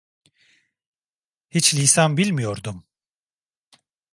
Hiç lisan bilmiyordum.